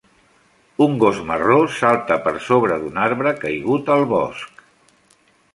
Un gos marró salta per sobre d'un arbre caigut al bosc.